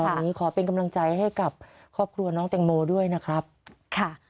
วันนี้ขอเป็นกำลังใจให้กับครอบครัวน้องแตงโมด้วยนะครับค่ะ